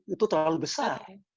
itu terlalu besar